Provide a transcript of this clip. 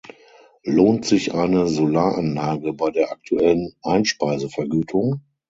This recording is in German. Lohnt sich eine Solaranlage bei der aktuellen Einspeisevergütung?